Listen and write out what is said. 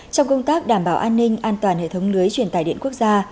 trong công tác đảm bảo an ninh an toàn hệ thống lưới truyền tài điện quốc gia